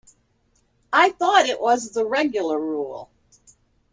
I thought it was the regular rule.